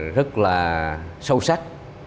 rất là sâu sắc